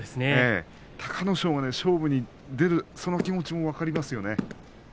隆の勝も勝負に出るその気持ちも分かりますよね。